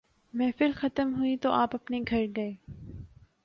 محفل ختم ہوئی تو آپ اپنے گھر گئے۔